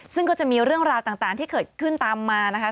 ซึ่งก็จะมีเรื่องราวต่างที่เกิดขึ้นตามมานะคะ